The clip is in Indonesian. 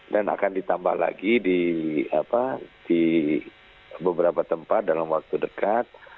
dan akan ditambah lagi di beberapa tempat dalam waktu dekat